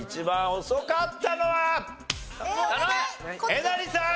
えなりさん！